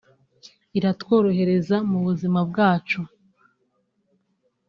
iratworohereza mu buzima bwacu